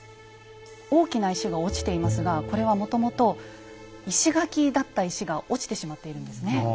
大きな石が落ちていますがこれはもともと石垣だった石が落ちてしまっているんですね。